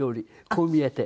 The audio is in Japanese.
こう見えて。